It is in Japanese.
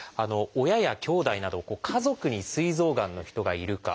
親やきょうだいなど家族にすい臓がんの人がいるか。